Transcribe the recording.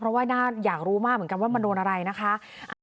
เพราะว่าน่าอยากรู้มากเหมือนกันว่ามันโดนอะไรนะคะ